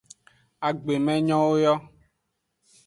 Agbemenyowo yo.